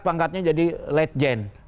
pangkatnya jadi late gen